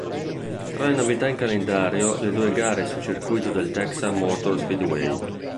Tra le novità in calendario le due gare sul circuito del Texas Motor Speedway.